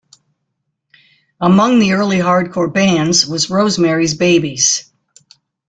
Among the early hardcore bands was Rosemary's Babies.